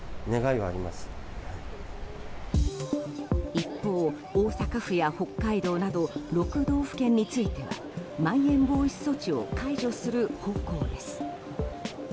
一方、大阪府や北海道など６道府県についてはまん延防止措置を解除する方向です。